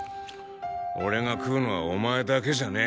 俺が喰うのはお前だけじゃねえ